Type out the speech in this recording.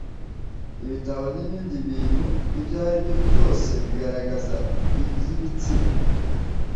ibitabo n ibindi bintu ibyo ari byo byose bigaragaza iby ibitsina